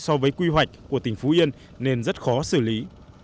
so với quy hoạch của tỉnh phú yên nên rất khó xử lý